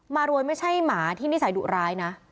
มารวยไม่ใช่หมาที่นิสัยดุร้ายนะ